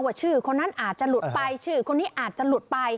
ชื่อคนนั้นอาจจะหลุดไปชื่อคนนี้อาจจะหลุดไป